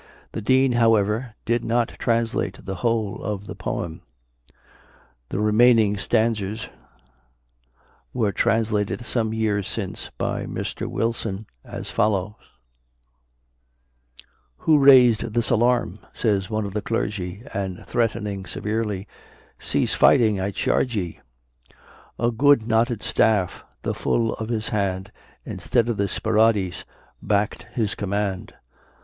The Dean, however, did not translate the whole of the poem; the remaining stanzas were translated some years since by Mr. Wilson, as follow: Who rais'd this alarm? Says one of the clergy, And threat'ning severely, Cease fighting, I charge ye. A good knotted staff, The full of his hand, Instead of the Spiradis, Back'd his command.